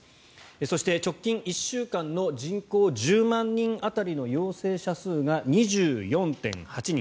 そして直近１週間の人口１０万人当たりの陽性者数が２４．８人。